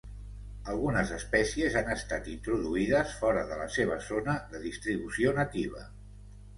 Algunes espècies han estat introduïdes fora de la seva zona de distribució nativa.